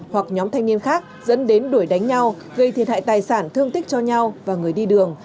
hoặc nhóm thanh niên khác dẫn đến đuổi đánh nhau gây thiệt hại tài sản thương tích cho nhau và người đi đường